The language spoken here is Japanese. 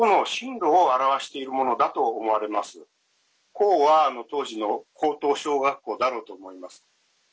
「高」は当時の高等小学校だろうと思います。